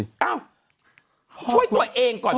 เอ้าช่วยตัวเองก่อน